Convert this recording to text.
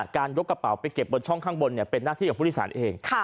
ยกกระเป๋าไปเก็บบนช่องข้างบนเป็นหน้าที่ของผู้โดยสารเอง